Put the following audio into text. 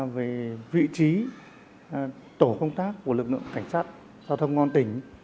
về vị trí tổ công tác của lực lượng cảnh sát giao thông công an tỉnh